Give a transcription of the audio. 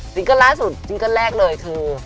เกิ้ลล่าสุดซิงเกิ้ลแรกเลยเธอ